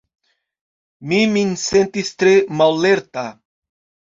Mi min sentis tre mallerta.